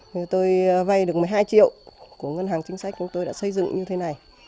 thì tôi vay được một mươi hai triệu của ngân hàng chính sách chúng tôi đã xây dựng như thế này